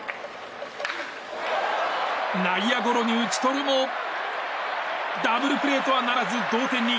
内野ゴロに打ち取るもダブルプレーとはならず同点に。